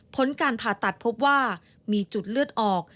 ผลการผ่าตัดพบว่ามีจุดเลือดออก